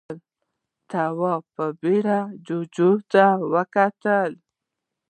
تواب په بيړه جُوجُو ته وکتل.